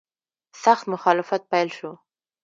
سخت مخالفت پیل شو.